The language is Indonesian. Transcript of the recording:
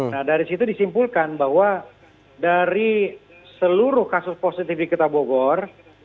nah dari situ disimpulkan bahwa dari seluruh kasus positif di kota bogor